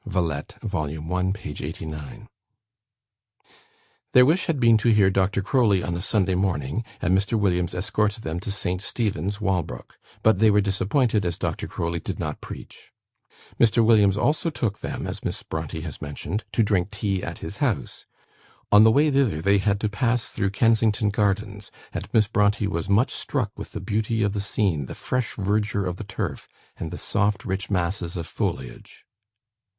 (Villette, vol. i. p. 89.) Their wish had been to hear Dr. Croly on the Sunday morning, and Mr. Williams escorted them to St. Stephen's, Walbrook; but they were disappointed, as Dr. Croly did not preach. Mr. Williams also took them (as Miss Brontë has mentioned) to drink tea at his house. On the way thither, they had to pass through Kensington Gardens, and Miss Brontë was much "struck with the beauty of the scene, the fresh verdure of the turf, and the soft rich masses of foliage."